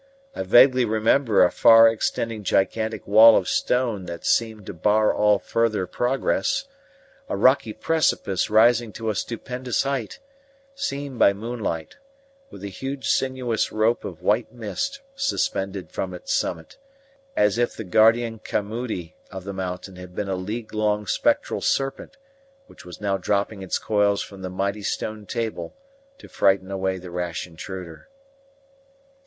I vaguely remember a far extending gigantic wall of stone that seemed to bar all further progress a rocky precipice rising to a stupendous height, seen by moonlight, with a huge sinuous rope of white mist suspended from its summit; as if the guardian camoodi of the mountain had been a league long spectral serpent which was now dropping its coils from the mighty stone table to frighten away the rash intruder.